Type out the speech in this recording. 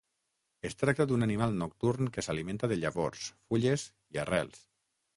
Es tracta d'un animal nocturn que s'alimenta de llavors, fulles i arrels.